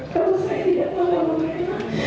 kalau saya tidak tahu mengenai